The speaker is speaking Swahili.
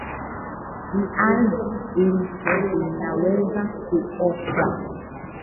Viazi lishe vinaweza kuokwa